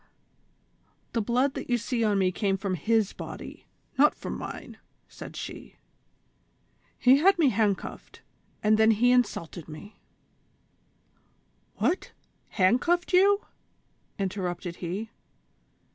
" The blood that you see on me came from Ids body, not from mine," said she. " He had me handcuffed, and then he insulted me" —" What ! handcuffed you ?" interrupted he.